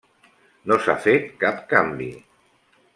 No s'ha fet cap canvi.